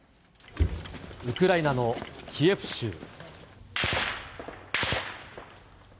ウクライナのキエフ州。